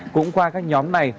cũng qua các nhóm này